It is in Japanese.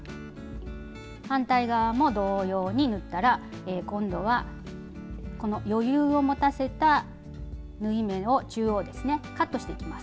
反対側も同様に縫ったら今度はこの余裕を持たせた縫い目を中央ですねカットしていきます。